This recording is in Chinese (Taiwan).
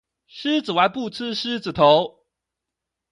獅子丸不吃獅子頭